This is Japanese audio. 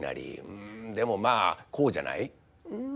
うんでもまあこうじゃない？」。